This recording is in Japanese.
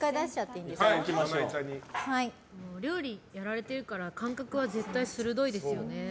料理やられてるから感覚は絶対鋭いですよね。